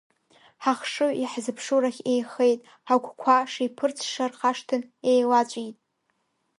Ҳахшыҩ иаҳзыԥшу рахь еихеит, ҳагәқәа шеиԥырҵша рхашҭын, еилаҵәеит!